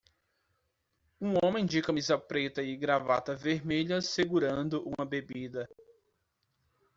Um homem de camisa preta e gravata vermelha segurando uma bebida.